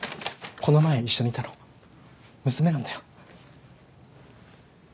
この前一緒にいたの娘なんだよ。